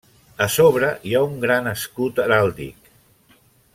A sobre hi ha un gran escut heràldic.